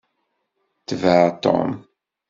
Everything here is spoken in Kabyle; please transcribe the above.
Tbeɛ Tom!